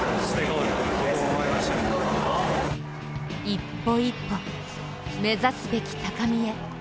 一歩一歩、目指すべき高みへ。